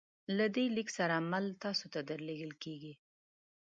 له دې لیک سره مل تاسو ته درلیږل کیږي